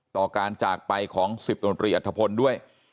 ต่อการจากไปของศิษย์โดนตรีอัตภพลด้วย